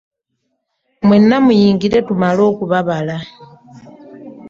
Mwenna muyingire tumale okubabala.